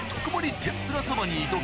天ぷらそばに挑み。